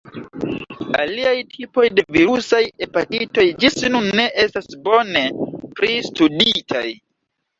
Aliaj tipoj de virusaj hepatitoj ĝis nun ne estas bone pristuditaj.